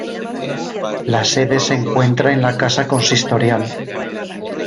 La sede se encuentra en la casa consistorial.